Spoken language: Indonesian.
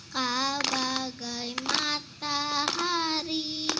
kau bagai matahari